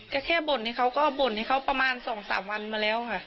ก็แค่บ่นให้เขาก็บ่นให้เขาประมาณ๒๓วันมาแล้วค่ะ